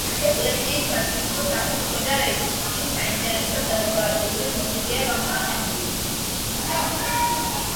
ეკლესიის სატრიუმფო თაღის ქვედა რეგისტრში საინტერესო დეკორატიული მოტივია გამოყენებული.